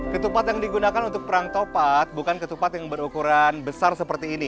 ketupat yang digunakan untuk perang topat bukan ketupat yang berukuran besar seperti ini